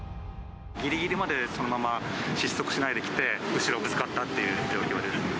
ぎりぎりまでそのまま失速しないで来て、後ろぶつかったっていう状況です。